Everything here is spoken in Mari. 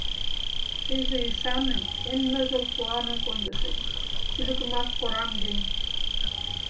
Тыйже ӱшане, эн ныжыл куаным Кондышыч, шӱлыкымак кораҥден.